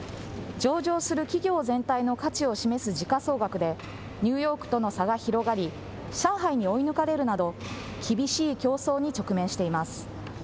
上場する企業全体の価値を示す時価総額でニューヨークとの差が広がり上海に追い抜かれるなど厳しい競争に直面しています。